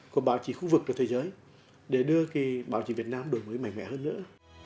của báo chí khu vực và thế giới để đưa báo chí việt nam đổi mới mạnh mẽ hơn nữa